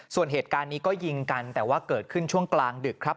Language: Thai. ส่วนเหตุการณ์นี้ก็ยิงกันแต่ว่าเกิดขึ้นช่วงกลางดึกครับ